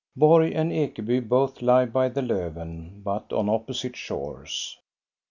Borg and Ekeby both lie by the Lofven, but on opposite shores.